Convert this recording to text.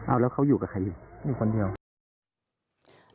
เอาแล้วเขาอยู่กับใครอยู่คนเดียว